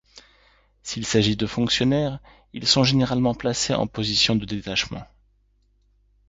S'il s'agit de fonctionnaires, ils sont généralement placés en position de détachement.